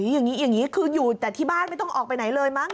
อย่างนี้อย่างนี้คืออยู่แต่ที่บ้านไม่ต้องออกไปไหนเลยมั้ง